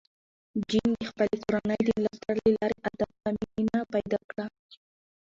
جین د خپلې کورنۍ د ملاتړ له لارې ادب ته مینه پیدا کړه.